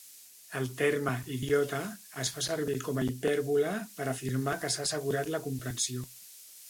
El terme "idiota"es fa servir com a hipèrbole per afirmar que s'ha assegurat la comprensió.